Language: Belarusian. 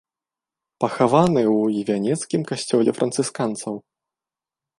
Пахаваны ў івянецкім касцёле францысканцаў.